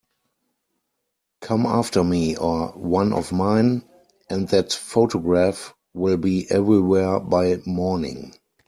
Come after me or one of mine, and that photograph will be everywhere by morning.